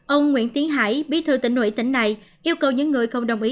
ông nguyễn tiến hải bí thư tỉnh ủy tỉnh này yêu cầu những người không đồng ý